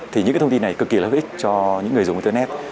thì những cái thông tin này cực kỳ là hữu ích cho những người dùng internet